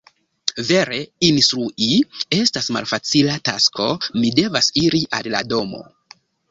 Vere, instrui estas malfacila tasko. Mi devas iri al la domo.